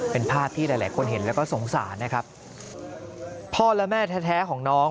เป็นภาพที่หลายหลายคนเห็นแล้วก็สงสารนะครับพ่อและแม่แท้แท้ของน้อง